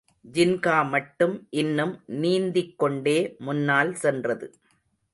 ஜின்கா மட்டும் இன்னும் நீந்திக்கொண்டே முன்னால் சென்றது.